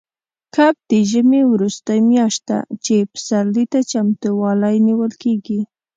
کب د ژمي وروستۍ میاشت ده، چې پسرلي ته چمتووالی نیول کېږي.